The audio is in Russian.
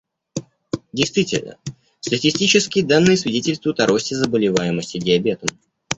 Действительно, статистические данные свидетельствуют о росте заболеваемости диабетом.